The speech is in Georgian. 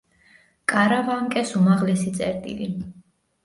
კარავანკეს უმაღლესი წერტილი.